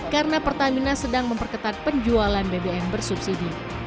karena pertamina sedang memperketat penjualan bbm bersubsidi